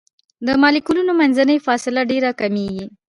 د مالیکولونو منځنۍ فاصله ډیره کمیږي.